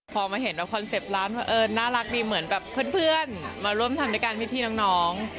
พอมาเห็นแบบคอนเซ็ปต์ร้านว่าเออน่ารักดีเหมือนแบบเพื่อนมาร่วมทำด้วยกันพี่น้อง